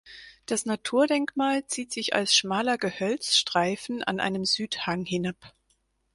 Das Naturdenkmal zieht sich als schmaler Gehölzstreifen an einem Südhang hinab.